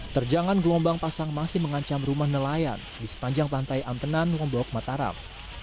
terjangan gelombang pasang masih mengancam rumah nelayan di sepanjang pantai ampenan lombok mataram